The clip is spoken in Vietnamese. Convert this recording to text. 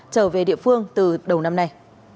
trở về địa phương từ đầu năm nay